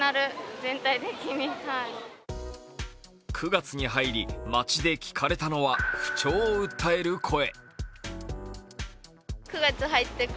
９月に入り、街で聞かれたのは不調を訴える声。